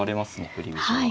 振り飛車は。